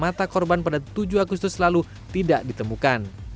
mata korban pada tujuh agustus lalu tidak ditemukan